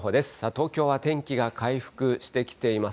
東京は天気が回復してきています。